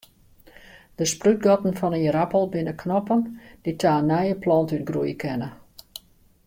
De sprútgatten fan in ierappel binne knoppen dy't ta in nije plant útgroeie kinne.